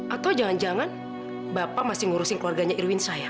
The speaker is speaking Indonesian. atau jangan jangan bapak masih ngurusin keluarganya irwin saya